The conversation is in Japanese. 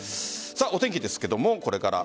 お天気ですが、これから。